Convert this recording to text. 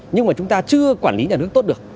nhưng mà chúng ta chưa quản lý nhà nước tốt được